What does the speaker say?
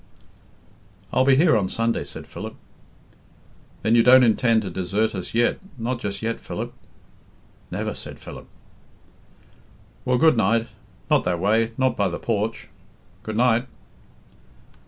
"I'll be here on Sunday," said Philip. "Then you don't intend to desert us yet not just yet, Philip?" "Never!" said Philip. "Well, good night! Not that way not by the porch. Good night!"